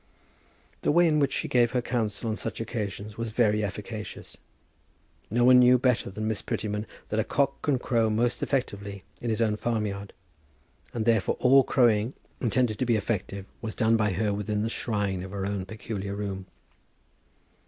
The way in which she gave her counsel on such occasions was very efficacious. No one knew better than Miss Prettyman that a cock can crow most effectively in his own farmyard, and therefore all crowing intended to be effective was done by her within the shrine of her own peculiar room.